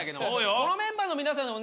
このメンバーの皆さんもね